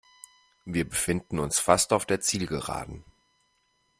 Wir befinden uns fast auf der Zielgeraden.